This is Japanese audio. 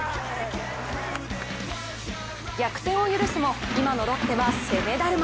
逆転を許すも、今のロッテは攻めだるま。